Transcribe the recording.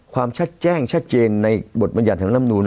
ความชัดแจ้งชัดเจนในบทบรรยันธรรมนูล